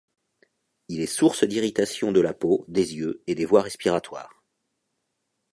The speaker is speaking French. Il est source d'irritation de la peau, des yeux et des voies respiratoires.